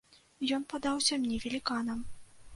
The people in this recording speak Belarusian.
Ён падаўся мне веліканам.